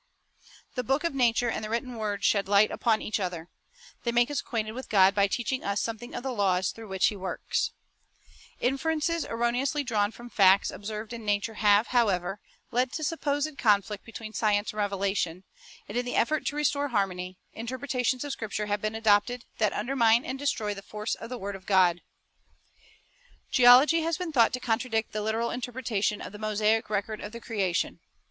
The book of nature and the written word shed light upon each other. They make us acquainted with God by teaching us something of the laws through which He works. Inferences erroneously drawn from facts observed in nature have, however, led to supposed conflict between science and revelation; and in the effort to restore harmony, interpretations of Scripture have been adopted that undermine and destroy the force of the word of God. Geology has been thought to contradict the literal interpretation of the Mosaic record of the crea tion.